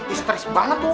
benjamu mau mau kuat